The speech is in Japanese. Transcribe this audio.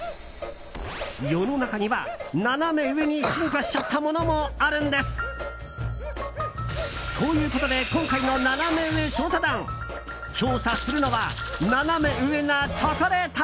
世の中には、ナナメ上に進化しちゃったものもあるんです。ということで今回のナナメ上調査団調査するのはナナメ上なチョコレート！